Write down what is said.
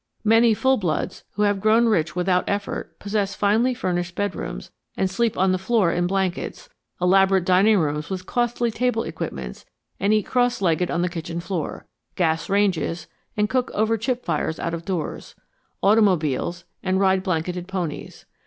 Many full bloods who have grown rich without effort possess finely furnished bedrooms, and sleep on the floor in blankets; elaborate dining rooms with costly table equipments, and eat cross legged on the kitchen floor; gas ranges, and cook over chip fires out of doors; automobiles, and ride blanketed ponies.